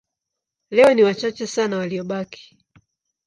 Leo ni wachache sana waliobaki.